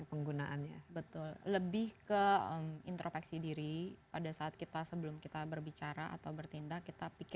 penggunaannya betul lebih ke introveksi diri pada saat kita sebelum kita berbicara atau bertindak